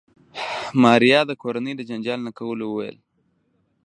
ماريا د کورنۍ د جنجال نه کولو وويل.